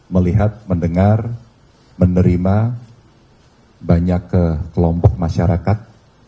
melihat mendengar menerima banyak kelompok masyarakat